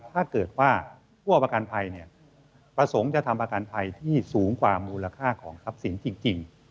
ถ้าเกิดว่าผู้ประกันภัยประสงค์จะทำประกันภัยที่สูงกว่ามูลค่าของทรัพย์สินจริง